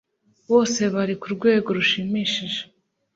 Bose Bari ku rwego rushimishije